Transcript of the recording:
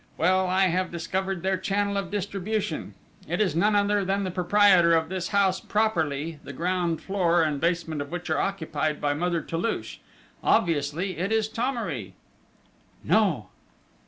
Well, I have discovered their channel of distribution it is none other than the proprietor of this house properly, the ground floor and basement of which are occupied by Mother Toulouche obviously, it is Thomery!..." "No!"